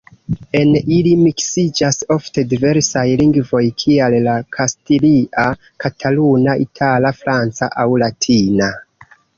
En ili miksiĝas ofte diversaj lingvoj kiaj la kastilia, kataluna, itala, franca aŭ latina.